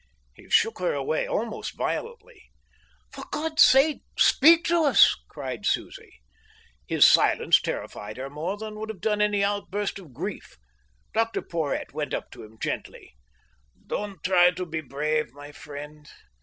He shook her away, almost violently. "For God's sake, speak to us," cried Susie. His silence terrified her more than would have done any outburst of grief. Dr Porhoët went up to him gently. "Don't try to be brave, my friend.